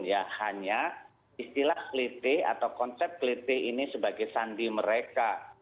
ya hanya istilah kliti atau konsep keliti ini sebagai sandi mereka